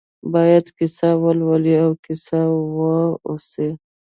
باید کیسه ولولي او کیسه واوسي.